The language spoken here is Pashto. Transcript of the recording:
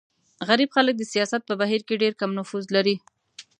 غریب خلک د سیاست په بهیر کې ډېر کم نفوذ لري.